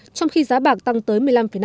trong khi giá bạc tăng tới một mươi năm năm